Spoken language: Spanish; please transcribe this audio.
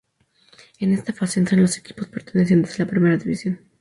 En esta fase entran los equipos pertenecientes a la Primera División.